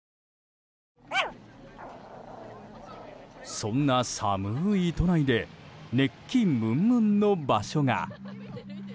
そんな寒い都内で熱気ムンムンの場所が。